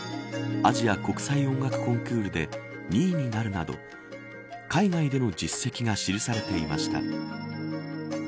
アジア国際音楽コンクールで２位になるなど海外での実績が記されていました。